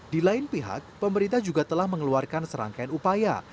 di lain pihak pemerintah juga telah mengeluarkan serangkaian upaya